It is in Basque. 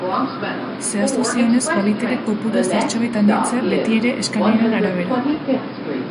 Zehaztu zionez, baliteke kopurua zertxobait handitzea, betiere eskariaren arabera.